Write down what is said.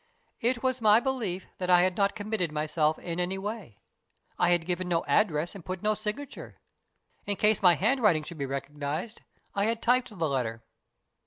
"It was my belief that I had not committed myself in any way. I had given no address and put no signature. In case my hand writing should be recognized I had typed the letter.